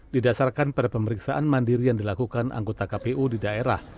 didasarkan pada pemeriksaan mandiri yang dilakukan anggota kpu di daerah